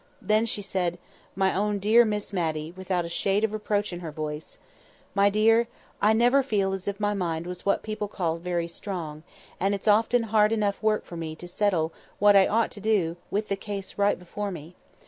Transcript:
Then she said—my own dear Miss Matty—without a shade of reproach in her voice— "My dear, I never feel as if my mind was what people call very strong; and it's often hard enough work for me to settle what I ought to do with the case right before me.